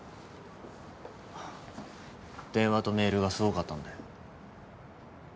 電話とメールがすごかったので。